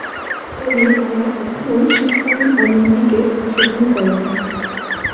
তবে তারা কখনও শীতকালীন অলিম্পিকে অংশগ্রহণ করেনি।